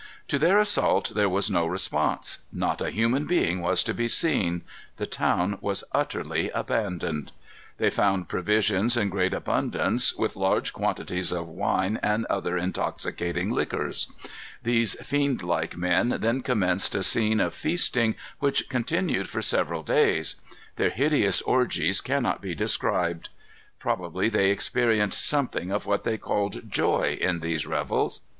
To their assault there was no response. Not a human being was to be seen. The town was utterly abandoned. They found provisions in great abundance, with large quantities of wine and other intoxicating liquors. These fiend like men then commenced a scene of feasting, which continued for several days. Their hideous orgies cannot be described. Probably they experienced something of what they called joy, in these revels.